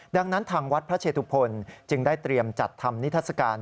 ดังนั้นทางวัดพระเชตุพลจึงได้เตรียมจัดทำนิทัศกาล